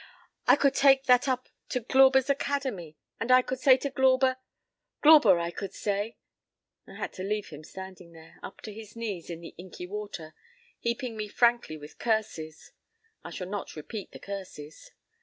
I could take that up to Glauber's Academy, and I could say to Glauber, 'Glauber,' I could say—" I had to leave him standing there, up to his knees in the inky water, heaping me frankly with curses. I shall not repeat the curses.